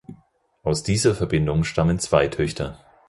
Aus dieser Verbindung stammen zwei Töchter.